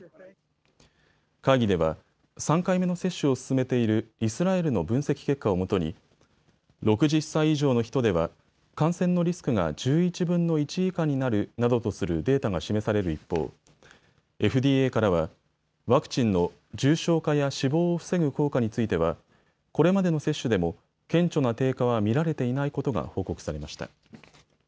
会議では３回目の接種を進めているイスラエルの分析結果をもとに６０歳以上の人では感染のリスクが１１分の１以下になるなどとするデータが示される一方、ＦＤＡからはワクチンの重症化や死亡を防ぐ効果についてはこれまでの接種でも顕著な低下は見られていないことが報告されました。